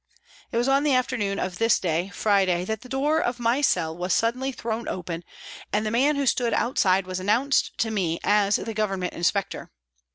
It was on the afternoon of this day, Friday, that the door of my cell was suddenly thrown open, and the man who stood outside was announced to me as the Government inspector.